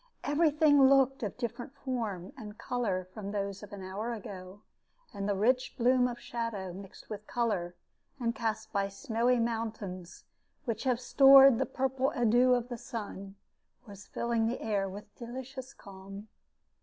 Every thing looked of a different form and color from those of an hour ago, and the rich bloom of shadow mixed with color, and cast by snowy mountains, which have stored the purple adieu of the sun, was filling the air with delicious calm.